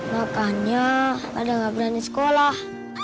makanya ada nggak berani sekolah